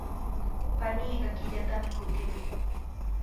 Paniiqa killatami kutimun.